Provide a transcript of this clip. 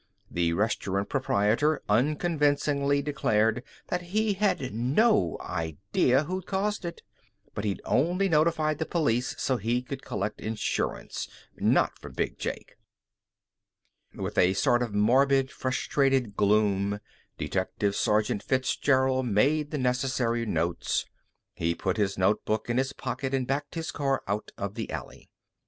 The restaurant proprietor unconvincingly declared that he had no idea who'd caused it. But he'd only notified the police so he could collect insurance not from Big Jake. With a sort of morbid, frustrated gloom, Detective Sergeant Fitzgerald made the necessary notes. He put his notebook in his pocket and backed his car out of the alley.